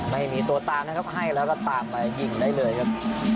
ไม่มีตัวตามนะครับให้แล้วก็ตามไปยิงได้เลยครับ